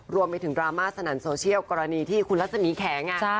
รวมไปถึงดราม่าสนันโซเชียลกรณีที่คุณลักษณีย์แขง